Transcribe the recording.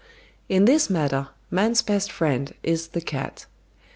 In this matter man's best friend is the cat.